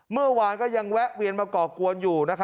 เมื่อวานก็ยังแวะเวียนมาก่อกวนอยู่